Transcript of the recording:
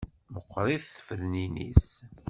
Meqqṛit tfednin-is.